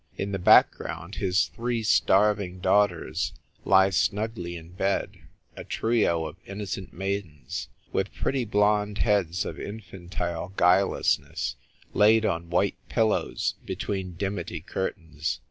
In the background his three starving daugh ters lie snugly in bed — a trio of innocent maidens, with pretty blonde heads of infantile guilelessness, laid on white pillows, between dimity curtains.